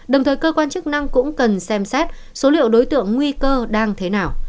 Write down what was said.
đồng thời cơ quan chức năng cũng cần xem xét số liệu đối tượng nguy cơ đang thế nào